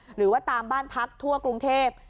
หรือว่าตามบ้านพักทั่วกรุงเทพ